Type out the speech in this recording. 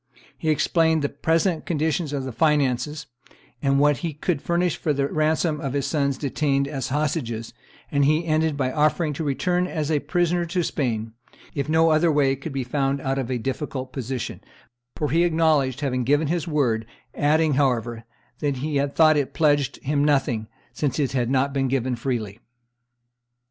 He explained the present condition of the finances, and what he could furnish for the ransom of his sons detained as hostages; and he ended by offering to return as a prisoner to Spain if no other way could be found out of a difficult position, for he acknowledged having given his word, adding, however, that he had thought it pledged him to nothing, since it had not been given freely.